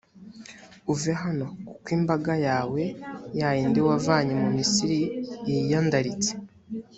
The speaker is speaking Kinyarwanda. uve hano, kuko imbaga yawe, ya yindi wavanye mu misiri, yiyandaritse;